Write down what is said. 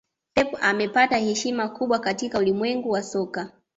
Pep amepata heshima kubwa katika ulimwengu wa soka